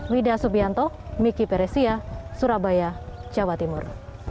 wida subianto miki peresia surabaya jawa timur